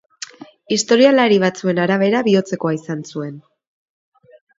Historialari batzuen arabera bihotzekoa izan zuen.